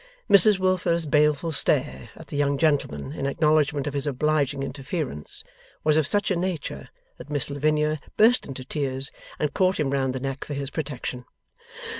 Mrs Wilfer's baleful stare at the young gentleman in acknowledgment of his obliging interference was of such a nature that Miss Lavinia burst into tears, and caught him round the neck for his protection.